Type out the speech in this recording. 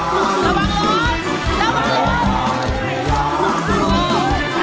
กองน่ามีความเจ็บเจ็บเจ็บ